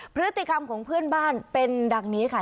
พฤติกรรมของเพื่อนบ้านเป็นดังนี้ค่ะ